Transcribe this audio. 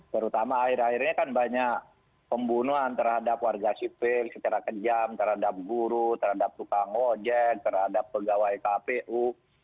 terutama akhir akhirnya kan banyak pembunuhan terhadap warga sipil secara kejam terhadap guru terhadap tukang ojek terhadap pegawai kpu